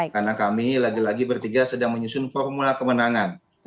karena kami lagi lagi bertiga sedang menyusun formula kemenangan